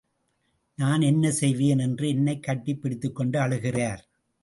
நான் என்னசெய்வேன் என்று என்னைக் கட்டிப் பிடித்துக்கொண்டு அழுகிறார்.